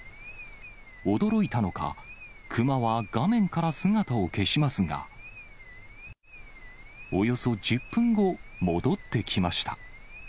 驚いたのか、クマは画面から姿を消しますが、およそ１０分後、戻ってきました。